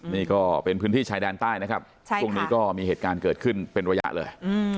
นี่ก็เป็นพื้นที่ชายแดนใต้นะครับช่วงนี้ก็มีเหตุการณ์เกิดขึ้นเป็นระยะเลย